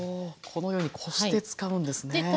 このようにこして使うんですね。